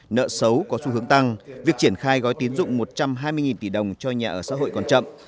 nợ xấu có xu hướng tăng việc triển khai gói tiến dụng một trăm hai mươi tỷ đồng cho nhà ở xã hội còn chậm